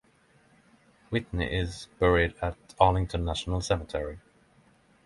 Whitney is buried at Arlington National Cemetery.